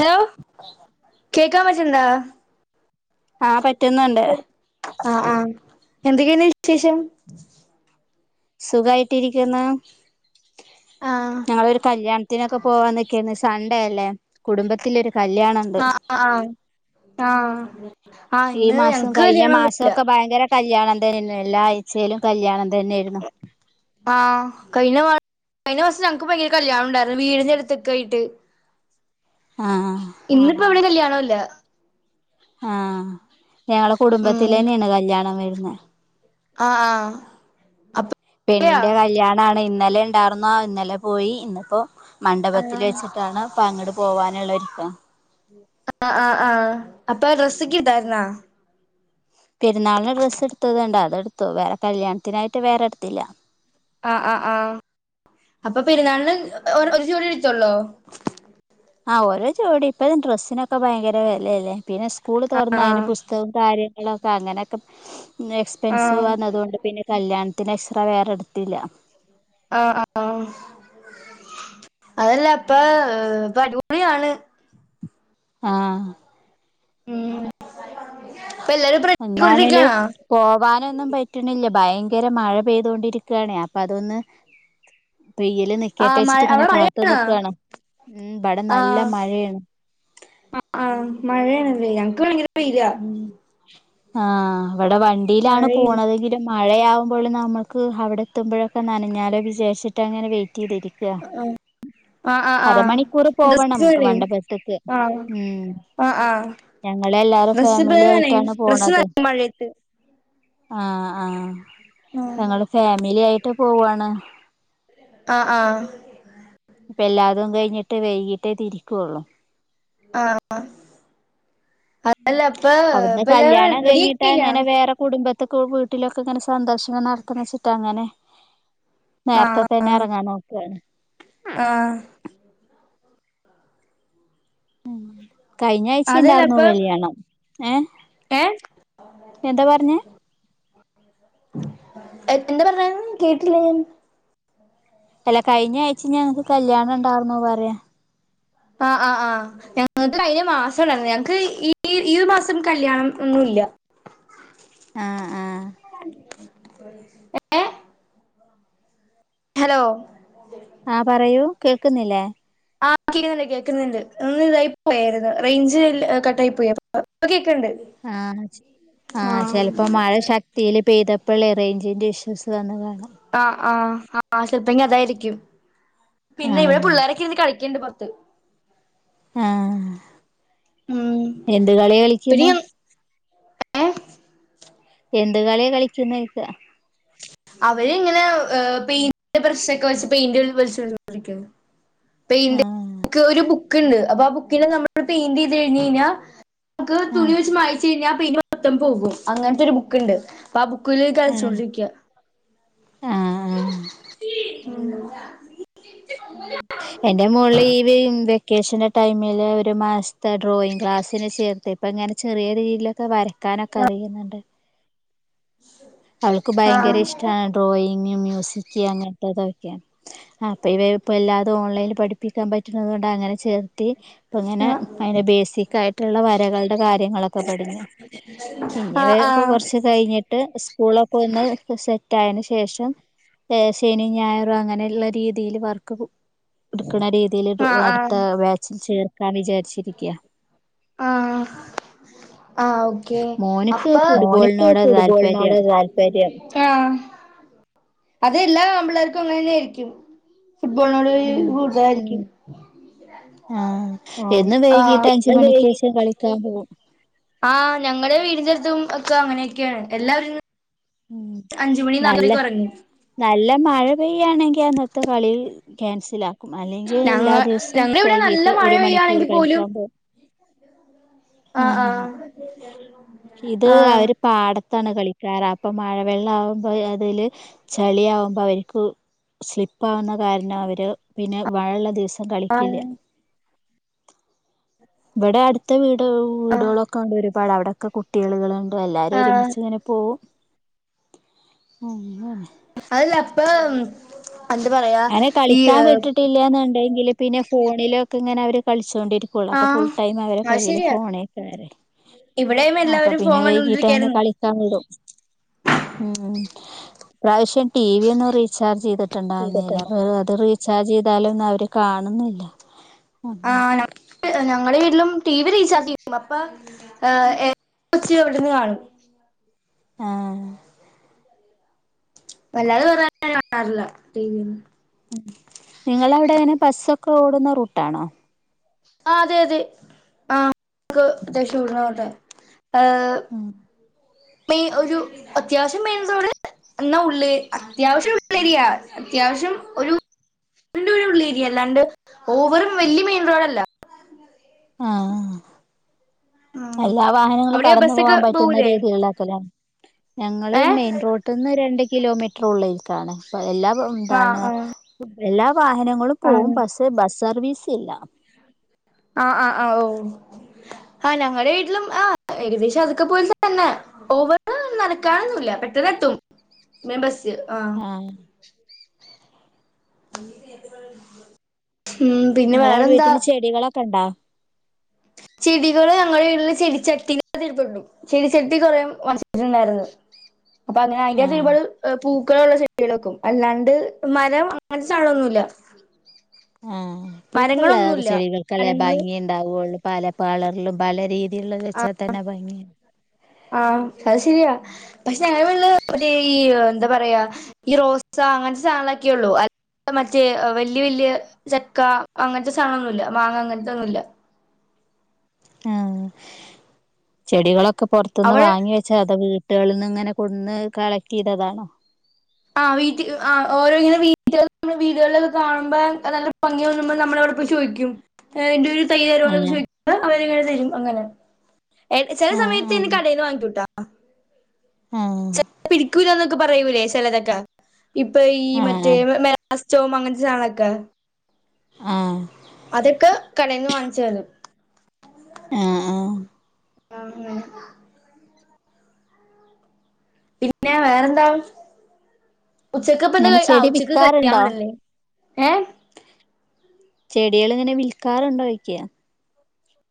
Hello കേക്കാൻ പറ്റ്ണ്ടാ ആ പറ്റ ആ ആ എന്തൊക്കെണ്ട് വിശേഷം സുഖയിട്ടിരിക്കുന്ന് ആഹ് ഞങ്ങളൊരു കല്യാണത്തിനൊക്കെ പോവാൻ നിൽക്കെന് സൺഡേ അല്ലേ കുടുംബത്തിലോരു ആ ആ ആ ഈ മാസോം കഴിഞ്ഞ മാസോംക്കെ ഭയങ്കര കല്യാണം തന്നെ എല്ലാ ആഴ്ചയിലും കല്യാണം തന്നെയായിരുന്നു ആ കഴിഞ്ഞ മാ കഴിഞ്ഞ മാസം ഞങ്ങക്ക് ഭയങ്കര കല്യാണം ഉണ്ടായിരുന്നു വീടിന്റെ അടുത്തൊക്കെയിട്ട് ആഹ് ഇന്നിപ്പോ ഇവിടെ കല്യാണം ഇല്ല ആ ഞങ്ങളെ കുടുംബത്തിലെ ന്നെയാണ് കല്യാണം വരുന്ന ന ആ ആ അപ്പ പെണ്ണിന്റെ കല്യാണാണ് ഇന്ന് ഇന്നലെ ണ്ടാർന്നാ ആ ഇന്നലെ പോയി ഇന്നിപ്പോ ആഹ് മണ്ഡപത്തിൽ വെച്ചിട്ടാണ് പ്പ അങ്ങട് പോവാനുള്ളൊരുക്കാ ങാ ങാ ങാ അപ്പൊ രസിക്ക് ഇതായിരുന്നാ പെരുനാളിന് ഡ്രസ് എടുത്തതൊണ്ട് അതെടു വേറെ കല്യാണത്തിനായിട്ട് വേറെടുത്തില്ല ങാ ങാ ങാ അപ്പൊ പെരുന്നാളിന് ഒരു ജോടി എടുത്തോള്ളോ ആ ഓരോ ജോടി ഇപ്പഴും ഡ്രസിനൊക്കെ ഒക്കെ ഭയങ്കര വെലേല്ലേ പിന്നെ സ്കൂള് ആഹ് തൊറന്നാ അതിൻറെ ആഹ് പുസ്തകോം കാര്യം ന്താപ്പങ്ങനക്ക നന്നെ ആഹ് എക്സ്പെൻസീവ്വാന്നതുകൊണ്ട് പിന്നെ കല്യാണ പത്തിന് എക്സറേ വേറെ എടുത്തില്ല ങാ ങാ അതല്ല ഇപ്പൊ അടിപൊളിയാണ് ആ ഉം ഇപ്പ എല്ലാരും ഇപ്പ എന്നാണേലും റെഡിയായിക്കൊണ്ടിരിക്കാണോ പോവാനൊന്നും പറ്റ്‌ണില്ല ഭയങ്കര മഴ പെയ്തൊണ്ടിരിക്കാണ് അപ്പൊ അതൊന്ന് പെയ്യല് ആ മഴ നിക്കട്ടെച്ചിട്ട് ഇങ്ങനെ അവടെ കാത്തു മഴയാണോ നിക്കാണ് ഉം ഇവിടെ നല്ല മഴയാണ് [unintelligible] ഇപ്പം ഇല്ല ആഹ ഇവിടെ വണ്ടിയിലാണ് മഴയില്ല പോണതെങ്കിലും മഴയാകുമ്പോള് നമുക്ക് അവിടെ എത്തുമ്പോഴൊക്കെ നനഞ്ഞാലോ വിചാരിച്ചിട്ടാണ് അങ്ങനെ വെയും [unintelligible] തിരിക്ക്യ ആഹ് ആഹ് ആഹ് അരമണിക്കൂർ പോവണം ഡ്രസ്സ് നമുക്ക് നനയും മഡപത്തക്ക് ആഹ് ഉം ആഹ് ആഹ് ഞങ്ങളെ എല്ലാരും [unintelligible] നനയും തന്നെ ഡ്രസ്സ്‌ നനയും മഴയത്ത് ആ ആ ആഹ് ഞങ്ങള് ഫാമിലി ആയിട്ട് പോവാണ് ആ ആ ഞ്ഞിട്ട് വൈകിട്ടേ തിരിക്കോള്ളൂ ആ അല്ല അപ്പ അവിടുന്ന് ഇപ്പ എല്ലാരും റെഡിയായി കഴിഞ്ഞോ ത്തക്കും വീട്ടിലൊക്കെ ഇങ്ങനെ സന്ദർശന നടത്തണന്നേച്ചിട്ടങ്ങനെ നേരത്തെ തന്നെ ഇറങ്ങാൻ നോക്കാണ് ആ ഉം കഴിഞ്ഞ ആഴ്ച അതല്ല ഇണ്ടായിരുന്നു ഇപ്പ കല്യാണം ഏ ഏഹ് എന്താ പറഞ്ഞേ എ എന്താ പറഞ്ഞേ കേട്ടില്ല ഞാൻ അല്ല കഴിഞ്ഞ ആഴ്ച ഞങ്ങക്ക് കല്യാണം ഉണ്ടായിർന്നു പറയാ ആ ആ ആ ഞങ്ങക്ക് കഴിഞ്ഞമാസം ഉണ്ടായിരുന്നു ഞങ്ങക്ക് ഈ ഒരുമാസം കല്യാണം ഒന്നൂല്ല ആ ആ ഏ ഹലോ ആ പറയൂ കേൾക്ക്ന്നില്ലേ ആ കേക്ക്ന്ന്ണ്ട് കേൾക്ക്ന്ന്ണ്ട് ഒന്ന് ഇതായി പോയായിരുന്നു റേഞ്ച് കട്ടായി പോയപ്പോ ഒക്കെ ആ ആ ചിലപ്പോ ആഹ് മഴ ശക്തിയിൽ പെയ്തപ പ്പളെ റേഞ്ചിന്റെഇഷ്യൂസ് വന്നതാ ആ ആ ആ ചെലപ്പങ്കി അതായിരിക്കും പിന്നെ ഇവിടെ പിള്ളോരൊക്കെ ഇന്ന് കളിക്കണ്ട് പത്ത് ആ ഉം എന്ത് കളി കളിക്കുന്ന ഏ എന്ത് കളിയ കളിക്കുന്ന യ്ച്ച അവര് ഇങ്ങനെ പെയിന്റിന്റെ ബ്രഷ്യൊക്കെ വെച്ചു പെയിന്റ് വലിച്ചരിക്ക പെയിന്റ് ആഹ് ക്ക് ഒരു ബുക്ക് ബുക്കുണ്ട് അപ്പൊ ആ ബുക്കിനെ നമ്മൾ പെയിന്റ് ചെയ്ത് കഴിഞ് കഴിഞ്ഞാൽ ബുക്ക് തുണി ആഹ് വെച്ച് മായിച് പിന്നെ ആ പെയിന്റ് മൊത്തം പോകും അങ്ങനത്തെ ഒരു ബുക്കുണ്ട് ഇപ്പ ആ ബുക്കിൽ കളിച്ചു ആഹ് കൊണ്ടിരിക്ക ക്കെ ആഹ് ആഹ് ന്താ എന്റെ മോളിവിണ്ട് വെക്കേഷന്റെ ടൈമില് ഒരു മാസത്തെ ഡ്രോയിങ്ങ് ക്ലാസ്സിന് ചേർത്ത് ഇപ്പ ഇങ്ങനെ ചെറിയ രീതിയിലൊക്കെ വരക്കാനൊക്കെ അറിയുന്നിണ്ട് അവൾക്ക് ആ ഭയങ്കര ഇഷ്ടമാണ് ഡ്രോയിങ് മ്യൂ അങ്ങനത്തതൊക്കെ ആ അപ്പൊ ഇവ ഇപ്പ എല്ലാ ഓൺലൈനിൽ പഠിപ്പിക്കാൻപറ്റും മൂഡ് അങ്ങനെ ചേർത്തി ഇപ്പ ഇങ്ങനെ അതിറെ ബേസിക്കായിയി കിള വരകൾ കാര്യങ്ങളൊക്കെ പടിഞ് ഇനി ആ ആഹ് കുറച്ച് കഴിഞ്ഞിട്ട് [unintelligible] സ്കൂളിൽ പോയ്‌ ഇന്ന് സെറ്റായിന് ശേഷം ശനിം ഞായറും അങ്ങനെയുള്ള രീതിയില് വർക്ക് എടുക്കണ രീതിൽ ആഹ് അടുത്ത വേച്ചിൽ ചേ കാ വിചാരിച്ചിരിക്ക്യാ ആ ഓക്കേ അപ്പ ഒനുക്ക് ഫുട്‌ബോളിനോടാ താല്പര്യം താല്പര്യം ആ അതെല്ലാ ആൺ പിള്ളേർക്കും അങ്ങനന്നെ ആയിരിക്കും ഫുട്ബോളിനോട് കൂടുതലായിരിക്കും ആഹ് എന്നും ആഹ് വൈകിട്ട് പിന്നെ അഞ്ച് മണിക്ക് വൈകി ശേഷം കളിക്കാൻ പുവ്വും ആഹ് ഞങ്ങളെ വീടിൻ്റെര്ത്തും ഒക്കെ അങ്ങനെയൊക്കെയാണ് എല്ലാവരും ഉം അഞ്ച് മണി നല്ല നാലരക്ക് ഉറങ്ങും നല്ല മഴ പെയ് ക്കെ ആണെങ്കി അന്നത്തെ കളി ക്യാൻസൽ ആ അല്ലെങ്കിൽ ഞങ്ങ എല്ലാ ദിവസും ഞങ്ങടെ ഇവിടെ നല്ല വൈകിട്ട് മഴ ഒരു മണിക്കൂർ പെയ്യാണെങ്കിൽ പോലും കളിക്കാൻ പോവും ആ ആഹ് ആഹ് ഇത് ആഹ് അവര് പാട ത്താണ് കളിക്കാറ ഇപ്പൊ മഴ വെള്ളം ആവുമ്പോ അതില് ചളിയാവുമ്പ അവര് ക്ക് സ്ലിപ്പാവുന്ന കാരണം അവര് പിന്നെ മഴ ഇള്ള ദിവസ കളിക്കില്ല്യ ഇവിടെ അട്ത്ത വീ [unintelligible] ആഹ് വീടുകളൊക്കെ [unintelligible] വരും ഇപ്പളവിടെക്കെ കുട്ടികള്കളാണ് ഇപ്പൊ എല്ലാരും ആഹ് ഒരുമിച്ച് ഇങ്ങനെ പോവും അങ്ങനെ ഇപ്പം അവനെ കളിക്കാൻ വിട്ടിട്ടില്ല്യാന്ന് ണ്ടെങ്കില് പിന്നെ ഫോണിലൊക്കെ ഇങ്ങനെ അവര് കളിച്ച് ച്ചോണ്ടിരിക്കുള്ളൂ അപ്പൊ ഫുൾ ആഹ് ടൈം അവരെ അത് കയ്യില് ശരിയാ ഫോണേക്കാരേ ഇവിടെയും അപ്പൊ എല്ലാവരും പിന്നെ ഫോൺ വൈകീട്ട് അവനെ കണ്ടോണ്ടിരിക്കായിരുന്നു കളിക്കാൻ വിടും. ഉം ഇ പ്രാവശ്യം ടി വി ഒന്നും റീചാർജ് ചെയ്തിട്ടുണ്ടാർന്നീ അത് റീചാർജ് ചെയ്താലൊന്നും അവര് കാണുന്നില്ല അങ്ങനെ ആഹ് [unintelligible] ഞങ്ങള വീട്ടിലും ടി വി റീച്ച് [unintelligible] അപ്പ [unintelligible] കൊച്ച് ഇവിടന്ന് കാണും ആഹ് വല്ലാതെ [unintelligible] കാണാറില്ല ടീവി ഒന്നും നിങ്ങളവിടെ അയ്ന് ബസ്സൊ ക്കോടുന്ന റൂട്ടാണോ? ആഹ് അതെ തെ ആഹ് [unintelligible] ഏഹ് ഉം മെയി ഒരു അത്യാവശ്യം മെയിൻ റോഡ് എന്നാ ഉള്ളേ അത്യാവശ്യം ഉള്ളേരിയാണ്. അത്യാവശ്യം ഒരു [unintelligible] ഉള്ളേരിയ അല്ലാണ്ട് ഓവറ് വല്യ മെയിൻ റോഡല്ല. ആഹ് ഉം എല്ലാ വാഹനങ്ങളും അവിടെയോ കടന്നു ബസ്സൊക്കെ പോവാൻ പറ്റുന്ന പോവൂലേ രീതിള്ളക്കലാണ്. ഞങ്ങള് ഏ മെയിൻ റോട്ന്ന് രണ്ടി കിലോമീറ്റർ ഉള്ളേക്കാണ് അപ്പോ എല്ലാ ആഹ് പ്പംന്താണ് ആഹ് എല്ലാം വാഹനങ്ങളും ആഹ് പോകും പസ്സേ ബസ്സ് സർവീസ് ഇല്ല ആ ആ ആ ഓ ആഹ് ഞങ്ങടെ വീട്ടിലും ആ ഏകദേശം അതൊക്കെ പോലെത്തന്നെ ഓവർ നടക്കാനൊന്നൂല്ല പെട്ടെന്ന് എത്തും മെബസ്സ് ആ ആഹ് ഉം പിന്നെ വേറെന്താ ക്കെണ്ടാ ചെടികള് ഞങ്ങളുടെ വീട്ടില് ചെടിച്ചട്ടിരിപ്പുണ്ട് ചെടിച്ചട്ടി കുറെ വാങ്ങിച്ചിട്ടുണ്ടായിരുന്നു അപ്പൊങ്ങനെ അതിനകത്ത് ആഹ് പാട് പൂ പൂക്കളുള്ള ചെടികള് വെക്കും അല്ലാണ്ട് മരം അങ്ങനത്തെ സാധനമൊന്നുമില്ല ആഹ് പൂക്കളുള്ള മരങ്ങളൊന്നുമില്ല ചെടികൾക്കല്ലേ മരങ്ങള് ഭംഗിയുണ്ടാവൊള്ളൂ പല കളറിലും പല രീതിയി ആ ആ അത് ശരിയാ പക്ഷെ ഞങ്ങടെ വീട്ടില് മറ്റേ എന്താ പറയാ ഈ റോസ അങ്ങനത്തെ സാധനങ്ങളൊക്കെയുള്ളൂ അ മറ്റേ വലിയ വല്യ ചക്ക അങ്ങനത്തെ സാധനങ്ങളൊന്നുമില്ല മാങ്ങ അങ്ങനത്തെ ഒന്നുംമില്ല ആ ചെടികളൊ ക്കെ പൊറത്തുന്ന് അവിടെ വാങ്ങി വെച്ചാ അത് വീട്ടി എവിടുന്നെങ്ങനെ കൊന്ന് കളക്റ്റ് ചെയ്തതാണോ ആ വീട്ടി ആ ഓരോ ഇങ്ങനെ വീട്ടി ചെല വീടുകളിലൊക്കെ കാണുമ്പോ നല്ല ഭംഗി തോന്നുമ്പോ നമ്മള അവിടെ പോയി ചോദിക്കും എന്റെ ഒരു തൈ തരോന്ന് ആഹ് ചോദിക്കുമ്പോ അവര് തൈ [unintelligible] തരും അങ്ങനെ ചെല ആഹ് സമയത്ത് ഇനി കടേന്ന് വാങ്ങികൂട്ടോ അ ആ പിടിക്കൂലാന്നൊക്കെ പ് പറയൂലേ ചെലരക്ക ഇപ്പൊ ഈ മറ്റേ ആഹ് മമേ അസ്റ്റവും അങ്ങനത്തെ ഷാളൊക്കെ ആ അതൊക്ക് കടേന്ന് വാങ്ങിച്ചാലും അ ആ ആന്നെ പിന്നെ വേറെന്താണ് ഉച്ചക്ക്പ്പ ന്താ ഇങ്ങനെ കഴി ആ ചെടി ഉച്ചക്ക് വിക്കാറുണ്ടോ ക്രട്ടിയാവ്ണല്ലേ ഏ ചെടികള് ഇങ്ങനെ വിൽക്കാറുണ്ടോയ്ക്ക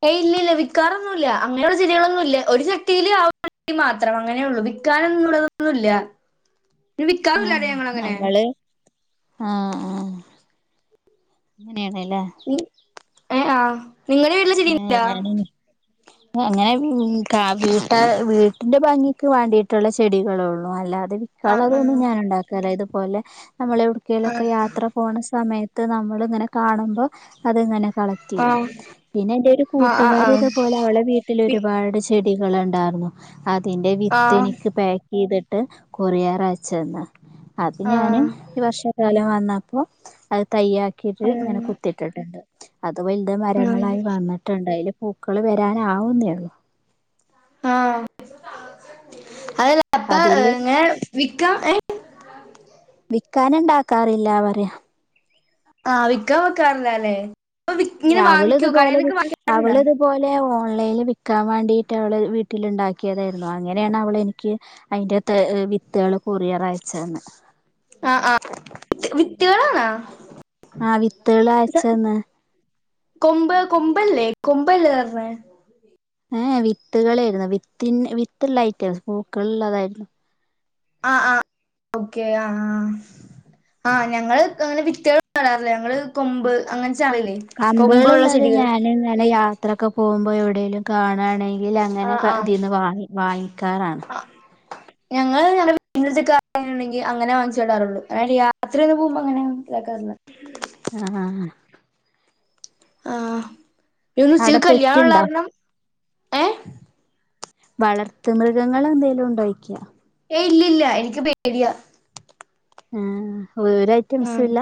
ഏയ് ഇല്ല ഇല്ല വിക്കാറൊന്നുല്ല അങ്ങനെയുള്ള ചെടികളൊന്നും ഇല്ല ഒരു ചട്ടിയില് ആവി മാത്രം അങ്ങനെള്ളു വിക്കാനൊന്നുള്ളതൊന്നുല്ല രു വിക്കാറൂഇല്ല ആഹ് ഞങ്ങളങ്ങനെ നമ്മള് അങ്ങനെ യേണല്ലേ എ ആഹ് നിങ്ങളെ വീട്ടിലെ ചെടി വിറ്റ ഞാനിനി അങ്ങനെ [unintelligible] വീട്ടിന്റെ ഭംഗിക്ക് വേണ്ടിയിട്ടുള്ള ചെടികളൊള്ളൂ അല്ലാത് ത് ആ വിക്കാളതൊന്നും ആ ഞാനുണ്ടാക്കാറില്ല അത് പോലെ ഹ് നമ്മളെവ്ട്ക്കേയിലൊക്കെ യാത്ര പോണ സമയ ത്ത് നമ്മള് ഇങ്ങനെ കാണുമ്പോ ഹ് അത് ത്ങ്ങനെ ആ കളക്റ്റിയ്യും പിന്നെ ന്റൊരു ആ ആ ആ കൂട്ടുകാരിതുപോലെ അവളെ വീട്ടിലൊരുപാട് ചെ ചെടികളുണ്ടാര്ന്നു അതിന്റെ ആ വിത്തെനിക്ക് പേ ഇതിട്ട് കൊറിയാറച്ചന്ന് അത് ഞാന് ആ ഒരു വർഷകാലം വന്ന പ്പൊ അത്‌ തൈയാക്കിട്ട് ആ ആ ഇങ്ങനെ കുത്തിട്ടട്ടണ്ട് ത് വൽത് മരങ്ങളായ് ട്ടുണ്ട് അയില് പൂക്കള് വരാനാവുന്നേള്ളു ആ അതില് ഏഹ് വിക്കാനെണ്ടാക്കാറില്ല പറയ ആ വിക്കാ വെക്കാറില്ലാല്ലേ അപ്പൊ ഇങ്ങനെ രാവള് വാങ്ങിക്കോ ഇതുപോലെ കടയിലൊക്കെ വാങ്ങിക്കാറുണ്ടോ അവള് ഇതുപോലെഓ ഓൺലൈനിൽ വിക്കാൻ വേണ്ടിട്ട് അവള് വീട്ടില ഇണ്ടാക്കിയതായിരുന്നു അങ്ങനെയാണ് അവളെനിക്ക് അതിന്റെ ത് വിത്തുകള് കുറിയാറാഴ്ചന്ന് ആഹ് ആഹ് [unintelligible] ആ വിത്തകള് അയച്ചെന്ന കൊമ്പ് കൊമ്പല്ലേ കൊമ്പല്ലേ [unintelligible] ഏ വിത്തുകളെ ആയിരന്നു വിത്തിൻ വിത്തിള്ള ഐറ്റംസ് പൂക്കളിള്ളതായിരുന്നു ആ ആ ഓക്കെ ആ ആ് ആ ഞങ്ങള് അങ്ങനെ വിത്ത കാടാറില്ല ഞങ്ങള് കൊമ്പ് അങ്ങന കമ്പുകളില്ലാതെ ഞാനങ്ങെനെ യാ ത്രൊക്കെ പോഉമ്പൊ എവിടേലും കാണാണെ ൽ അങ്ങനെക്കെ ഇതിന്ന് വാങ്ങി വായി ആ ഞങ്ങൾ നിങ്ങത്തെയണ്ടെങ്കിൽ അങ്ങനെ വാങ്ങിച്ചിടാറുള്ളു അ രാത്രിയന്ന് പോകുമ്പോ അങ്ങനെ മനസിലാക്കാറുള്ളണ്ട് ആഹ ആഹ ഇന്നും അവിടെ സീക്കല്ല പെറ്റ്ണ്ടോ ഉള്ളാരണം ഏഹ വളർത്ത മൃഗങ്ങൾ എന്തെലും ഉണ്ടോ യ്ക്ക ഏ ഇല്ലല്ല എനിക്ക് പേടിയാ ആഹ ഓ ഐറ്റംസ ഇല്ല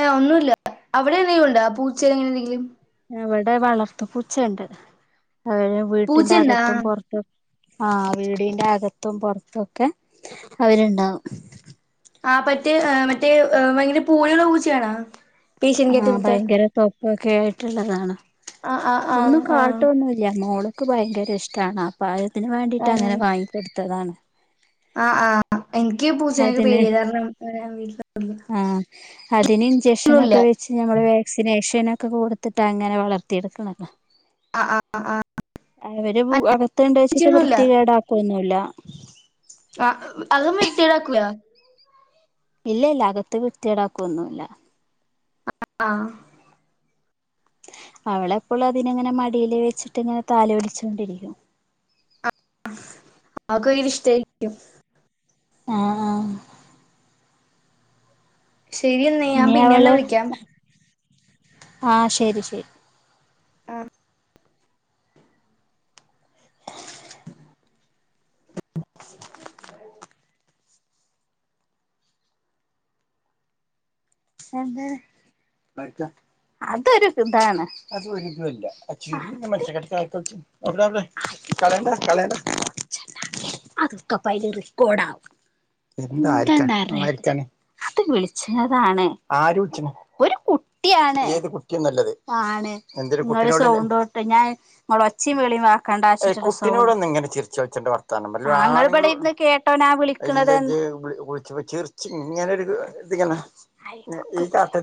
ഏഹ് ഒന്നുല്ല അവിടെ എന്തെിലുംണ്ട് ആ പൂച്ചയിൽ എങ്ങനെന്തെങ്കിലും അവിടെ വളർത്ത പൂച്ചുണ്ട് അ വീട്ടിന്റെ പൂച്ചണ്ടാ അകത്തും പുറത്ത ആഹ വീടിന്റെ അകത്തും പുൊറത്തും ഒക്കെ അവരുണ്ടാവും ആ മറ്റേ മറ്റേ ഭയങ്കര പൂണികള പൂച്ചിയണാ ആഹ ഭയങ്കര തൊപ്പൊക്കെ മറ്റുള്ളതാണ് ആഹ് ആഹ് ആഹ് ഒന്നും കാട്ടോ ആഹ് ഒന്നുംല്ല മോള് എക്ക് ഭയങ്കര ഇഷ്ടമാണ് അപ്പൾ അത് അതിനന് വേണ്ടിയിട്ട് അങ്ങനെ ആഹ് വാങ്ങിക്കെടുത്തതാണ് ആഹ് ആഹ് എനിക്ക് പൂച്ചക്ക് അതിന് പേര് കാരണം വീട്ടിലള്ള ആഹ് അതിന് ഇഞ്ചക്ഷനൊക്കെ വെച്ച് ഞങ്ങൾ വാക്സിനേഷൻ ഒറ്റ [unintelligible] കൊടുത്തിട്ട അങ്ങനെ വളർത്തിയെടുക്കണ. ആഹ് അവര് ആഹ് അകത്ത് കൊണ്ടെവെച്ചിട്ട് പൂച്ചയൊന്നുല്ല വൃത്തി കേടാക്കൊന്നുമില്ല. ആ അതും വൃത്തിക്കേടാക്കൂല്ല. ഇല്ല ഇല്ല അകത്ത് വൃത്തിക്കേണ്ടാക്കൊന്നുമില്ല. [unintelligible] ആഹ. അവളെപ്പോളും അതിനങ്ങനെ മടിൽ വെച്ചിട്ട് ഇങ്ങനെ താലൊലിച്ചുണ്ടിരിക്കും. അവക്ക് വയക്കര ഇഷ്ടായിരിക്കും. ആഹ ആഹ ശരിയെന്നേ ഞാൻ പിന്നെന്നാ വിളിക്കാം ആ ശരി ശരി [unintelligible] [unintelligible] [unintelligible]